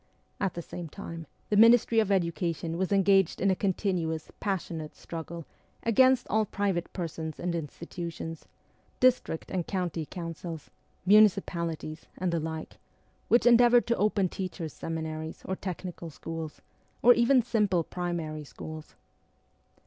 At the same time the Ministry of Education was engaged in a continuous, passionate struggle against all private persons and institutions district and county councils, municipali ties, and the like which endeavoured to open teachers' seminaries or technical schools, or even simple primary schools.